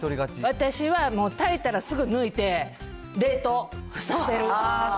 私はもう炊いたらすぐ抜いて、冷凍させる。